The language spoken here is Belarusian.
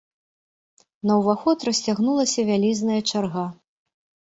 На ўваход расцягнулася вялізная чарга.